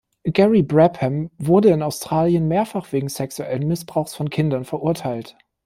Gary Brabham wurde in Australien mehrfach wegen sexuellen Missbrauchs von Kindern verurteilt.